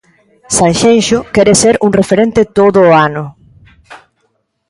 Sanxenxo quere ser un referente todo o ano.